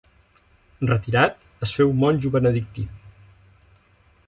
Retirat, es féu monjo benedictí.